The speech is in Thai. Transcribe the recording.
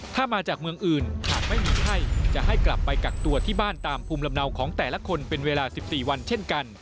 ถ้ามาจากเมืองอื่นหากไม่มีไข้จะให้กลับไปกักตัวที่บ้านตามภูมิลำเนาของแต่ละคนเป็นเวลา๑๔วันเช่นกัน